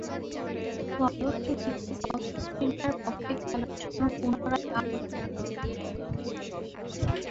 ফলশ্রুতিতে, সাউথ অস্ট্রেলিয়ার পক্ষে খেলার জন্য পুনরায় আহুত হন।